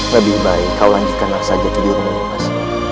lebih baik kau lanjutkan langkah saja ke dirimu mas